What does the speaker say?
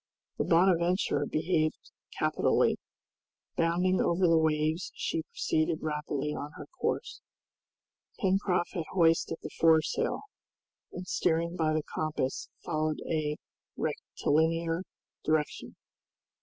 The "Bonadventure" behaved capitally. Bounding over the waves she proceeded rapidly on her course. Pencroft had hoisted the foresail, and steering by the compass followed a rectilinear direction.